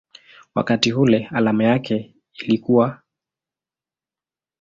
wakati ule alama yake ilikuwa µµ.